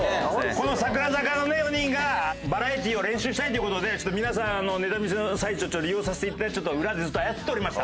この櫻坂のね４人がバラエティを練習したいという事で皆さんのネタ見せの最中を利用させていただいてちょっと裏でずっと操っておりました。